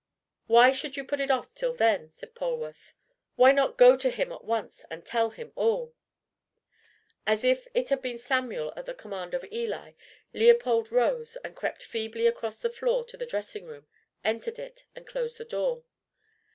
"Why should you put it off till then?" said Polwarth. "Why not go to him at once and tell him all?" As if it had been Samuel at the command of Eli, Leopold rose and crept feebly across the floor to the dressing room, entered it, and closed the door.